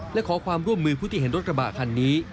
และขอความร่วมมือผู้ที่เห็นรถกระบะคันนี้